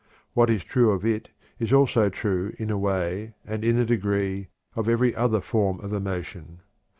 What is true of it is also true, in a way and in a degree, of every other form of emotion.